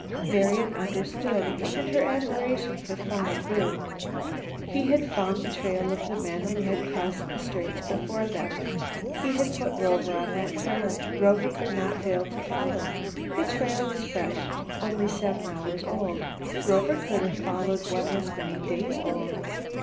Marian understood, and her admiration for Phi grew. He had found the trail of the men who had crossed the Straits before them. He had put Rover on that trail. Rover could not fail to follow. The trail was fresh, only seven hours old. Rover could have followed one as many days old.